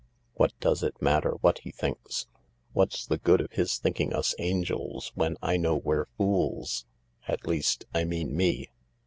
" What does it matter what he thinks ? What's the good of his thinking us angels when I know we're fools— at least, I mean me